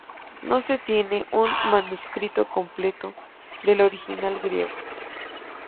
No se tiene un manuscrito completo del original griego.